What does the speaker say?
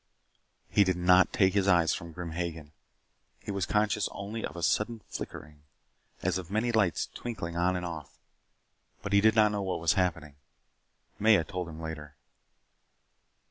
He did not take his eyes from Grim Hagen. He was conscious only of a sudden flickering, as of many lights twinkling on and off. But he did not know what was happening. Maya told him later.